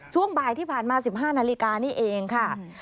ช่วงบ่ายที่ผ่านมา๑๕นาฬิกานี่เองค่ะ